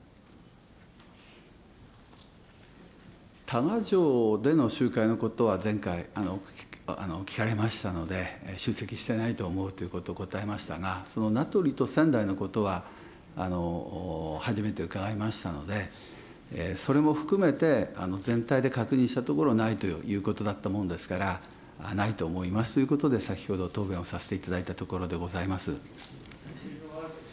多賀城での集会のことは、前回、聞かれましたので、出席してないと思うということを答えましたが、その名取と仙台のことは、初めて伺いましたので、それも含めて全体で確認したところ、ないということだったものですから、ないと思いますということで先ほど答弁をさせていただいたところでございます。